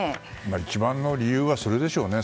一番の理由はそれでしょうね。